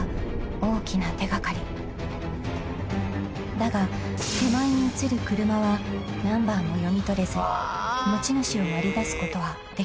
［だが手前に映る車はナンバーも読み取れず持ち主を割り出すことはできなかった］